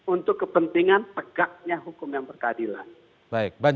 untuk kepentingan pegaknya hukum yang berkadilan